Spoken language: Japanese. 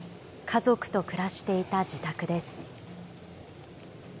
家族と暮らしていた自宅です。